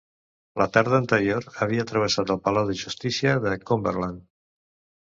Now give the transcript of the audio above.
La tarda anterior havia travessat el Palau de Justícia de Cumberland.